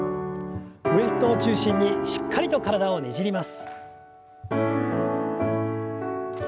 ウエストを中心にしっかりと体をねじります。